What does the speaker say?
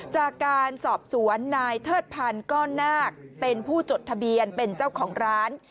จากการสอบสวนนายเทิดพันธ์ก้อนนาคเป็นผู้จดทะเบียนเป็นเจ้าของร้าน